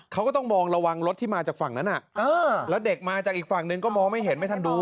เขาก็ต้องมองระวังรถที่มาจากฝั่งนั้นแล้วเด็กมาจากอีกฝั่งหนึ่งก็มองไม่เห็นไม่ทันดู